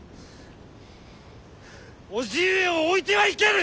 叔父上を置いてはいけぬ！